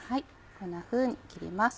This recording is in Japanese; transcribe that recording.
こんなふうに切ります。